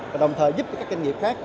và đồng thời giúp cho các doanh nghiệp khác